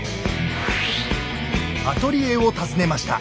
アトリエを訪ねました。